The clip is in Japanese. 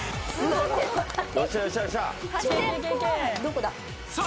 どこだ？